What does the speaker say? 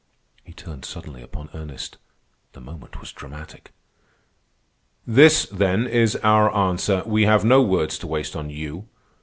He turned suddenly upon Ernest. The moment was dramatic. "This, then, is our answer. We have no words to waste on you.